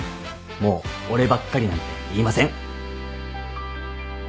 もう俺ばっかりなんて言いません。